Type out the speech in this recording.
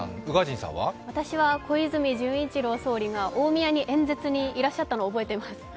私は小泉純一郎総理が大宮に演説にいらっしゃったのを覚えています。